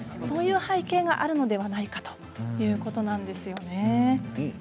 そういう背景があるのではないかということなんですよね。